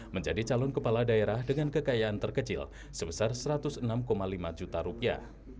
menjadi calon kepala daerah dengan kekayaan terkecil sebesar satu ratus enam lima juta rupiah